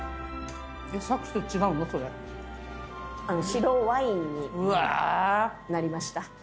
白ワインになりました。